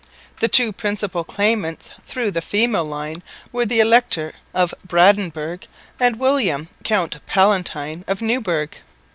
The two principal claimants through the female line were the Elector of Brandenburg and William, Count Palatine of Neuburg.